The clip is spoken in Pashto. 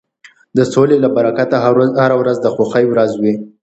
د سولې له برکته هره ورځ د خوښۍ ورځ وي.